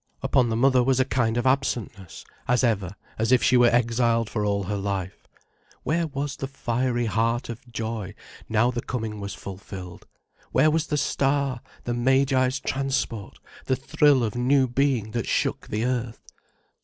Upon the mother was a kind of absentness, as ever, as if she were exiled for all her life. Where was the fiery heart of joy, now the coming was fulfilled; where was the star, the Magi's transport, the thrill of new being that shook the earth?